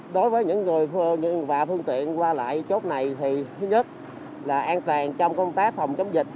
đối với những người và phương tiện qua lại chốt này thì thứ nhất là an toàn trong công tác phòng chống dịch